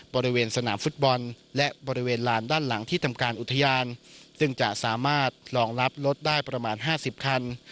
บริเวณสนามฟุตบอลและบริเวณลานด้านหลังที่ทำการอุทยานซึ่งจะสามารถรองรับรถได้ประมาณ๕๐คัน